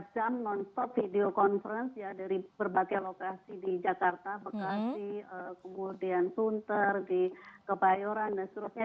dua belas jam non stop video conference ya dari berbagai lokasi di jakarta bekasi kemudian sunter di kebayoran dan seterusnya